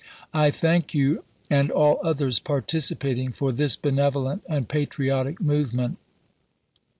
I thank you and all others participating for this benevolent and patriotic movement.